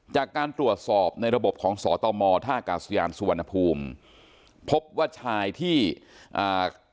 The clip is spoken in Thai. จากการตรวจสอบในระบบของสตมท่ากาศยานสุวรรณภูมิพบว่าชายที่อ่า